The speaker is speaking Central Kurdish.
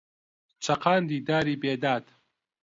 چەقاندی داری بێداد